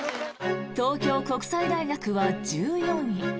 東京国際大学は１４位。